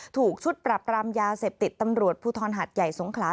ถูกชุดปรับรามยาเสพติดตำรวจภูทรหัดใหญ่สงขลา